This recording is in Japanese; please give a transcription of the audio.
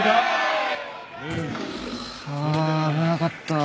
あ危なかったぁ。